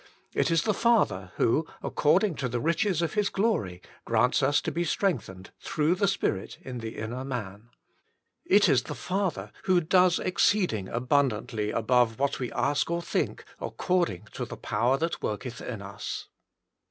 It is the Father who, according to the riches of His glory, grants us to be strengthened "through the Spirit in the inner man.^' It is the Father who does exceeding abundantly above what we ask or think "according to the Power that worketh in us.''